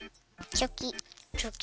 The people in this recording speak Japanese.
チョキ。